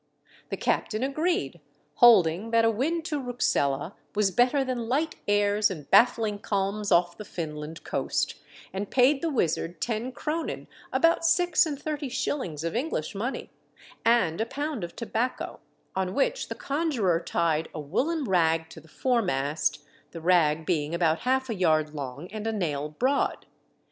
The captain agreed, holding that a wind to Rouxella was better than light airs and baffling calms off the Finland coast, and paid the wizard ten kronen — about six and thirty shillings of English money — and a pound of tobacco ; on which the conjurer tied a woollen rag to the fore mast, the rag being about half a yard long and a nail broad.